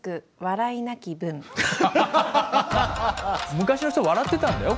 昔の人笑ってたんだよ